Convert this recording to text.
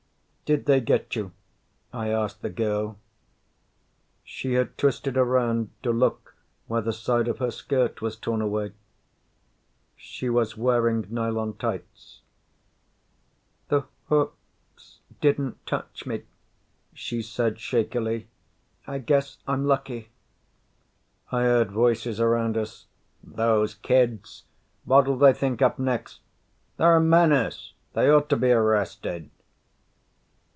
"Did they get you?" I asked the girl. She had twisted around to look where the side of her skirt was torn away. She was wearing nylon tights. "The hooks didn't touch me," she said shakily. "I guess I'm lucky." I heard voices around us: "Those kids! What'll they think up next?" "They're a menace. They ought to be arrested."